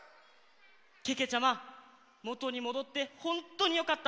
けけちゃまもとにもどってほんとによかった。